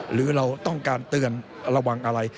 หรือเราต้องการเตือนระวังอะไร